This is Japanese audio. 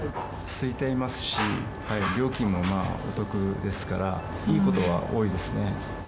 すいていますし、料金もまあ、お得ですから、いいことは多いですね。